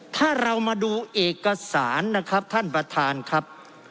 ถ้าเรามาดูเอกสารนะครับท่านประธานครับ